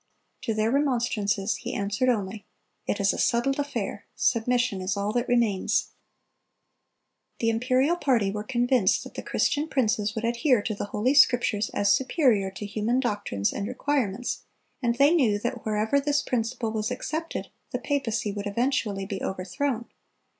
To their remonstrances he answered only, "It is a settled affair; submission is all that remains."(294) The imperial party were convinced that the Christian princes would adhere to the Holy Scriptures as superior to human doctrines and requirements; and they knew that wherever this principle was accepted, the papacy would eventually be overthrown.